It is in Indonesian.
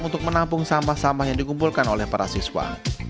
untuk menampung sampah sampah yang dikumpulkan oleh para siswa